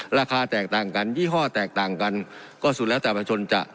ราคาแตกต่างกันยี่ห้อแตกต่างกันก็สุดแล้วแต่ประชนจะ